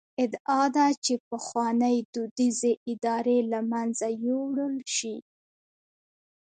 ادعا ده چې پخوانۍ دودیزې ادارې له منځه یووړل شي.